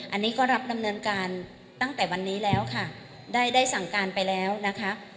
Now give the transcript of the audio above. อันนี้ก็รับดำเนินการตั้งแต่วันนี้แล้วค่ะได้ได้สั่งการไปแล้วนะคะ